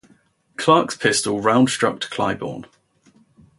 Clark's pistol round struck Claiborne.